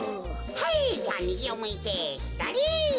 はいじゃあみぎをむいてひだり。